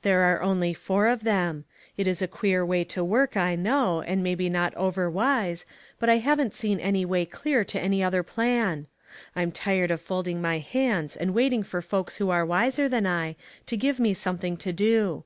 There are only four of them. It is a queer way to work, I know, and maybe not overwise, but I haven't seen my way clear to any other plan. I'm tired of folding my hands and waiting for folks who are wiser than I, to give me something to do.